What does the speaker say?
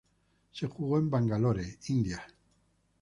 Se jugó en Bangalore, India.